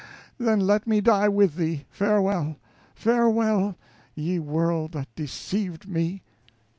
then let me die with thee. Farewell! farewell! ye world that deceived me!